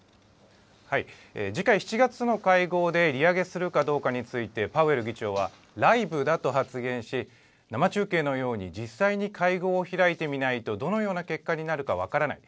次回・７月の会合で利上げするかどうかについてパウエル議長は、ライブだと発言し、生中継のように、実際に会合を開いてみないとどのような結果になるのか分からない。